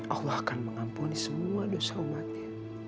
allah akan mengampuni semua dosa umatnya